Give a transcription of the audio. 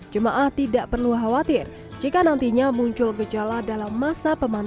jemaah tidak perlu khawatir jika nantinya muncul gejala dalam rumah masing masing